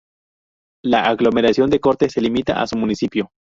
La aglomeración de Corte se limita a su municipio.